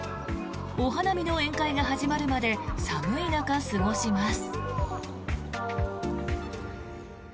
お花見の宴会が始まるまで寒い中、過ごします。